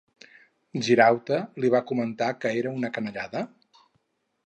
Girauta li va comentar que era una canallada?